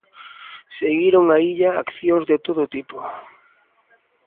Seguiron á illa accións de todo tipo.